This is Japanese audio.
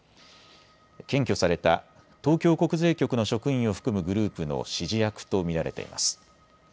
検挙された東京国税局の職員を含むグループの指示役と見られています。